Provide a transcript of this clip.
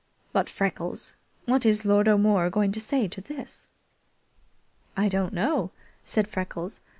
But, Freckles, what is Lord O'More going to say to this?" "I don't know," said Freckles.